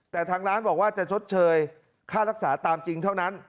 แต่ทางร้านบอกว่าจะชดเชยค่ารักษาตามจริงเท่านั้น